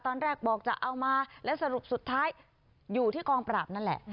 ตอนแรกบอกจะเอามาและสรุปสุดท้ายอยู่ที่กองปราบนั่นแหละ